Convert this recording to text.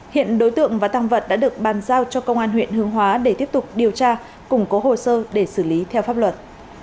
hiện đối tượng và tăng vật đã được bàn giao cho công an huyện hương hóa để tiếp tục điều tra củng cố hồ sơ để xử lý theo pháp luật